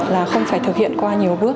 là không phải thực hiện qua nhiều bước